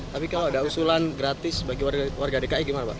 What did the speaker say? tapi kalau ada usulan gratis bagi warga dki gimana pak